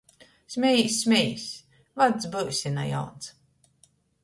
Smejīs, smejīs: vacs byusi, na jauns!